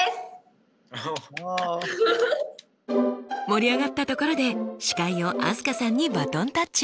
盛り上がったところで司会を飛鳥さんにバトンタッチ。